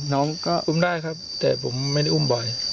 น้องก็อุ้มได้ครับแต่ผมไม่ได้อุ้มบ่อย